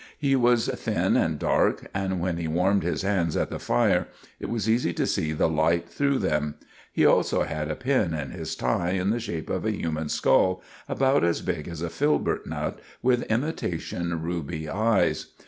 He was thin and dark, and when he warmed his hands at the fire it was easy to see the light through them. He also had a pin in his tie in the shape of a human skull, about as big as a filbert nut, with imitation ruby eyes.